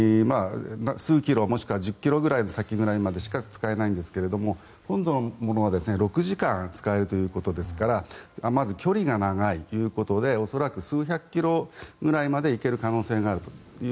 数キロ、もしくは１０ｋｍ先ぐらいまで使えないんですが今度のものは６時間使えるということですからまず距離が長いということで恐らく数百キロくらいまで行ける可能性があると。